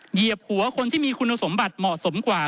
เหยียบหัวคนที่มีคุณสมบัติเหมาะสมกว่า